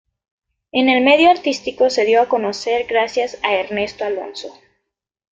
En el medio artístico se dio a conocer gracias a Ernesto Alonso.